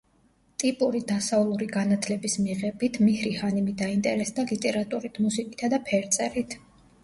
ტიპური დასავლური განათლების მიღებით, მიჰრი ჰანიმი დაინტერესდა ლიტერატურით, მუსიკითა და ფერწერით.